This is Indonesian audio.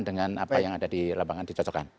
dengan apa yang ada di lapangan dicocokkan